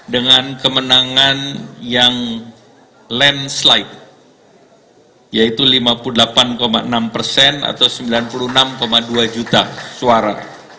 dengan kemenangan yang land slide yaitu lima puluh delapan enam persen atau sembilan puluh enam dua juta suara